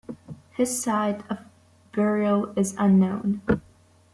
His site of burial is unknown.